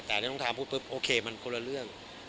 ดังนั้นต้องถังก็โอเคมันคุณแล้วเรื่อง